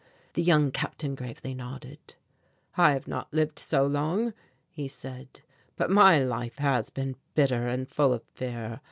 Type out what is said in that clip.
The young Captain gravely nodded. "I have not lived so long," he said, "but my life has been bitter and full of fear.